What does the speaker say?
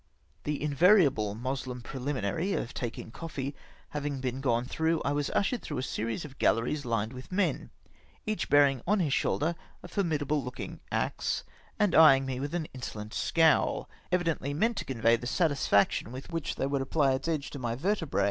The invariable Moslem prehminary of taking coffee having been gone through, I was ushered through a series of galleries hned with men, each bearing on his shoulder a formidable looking axe, and eyeing me with I 4 ]20 INTERVIEW AVITII THE DEY. an insolent scowl, evidently meant to convey the satis faction with which they wonld apply its edge to my vertebra?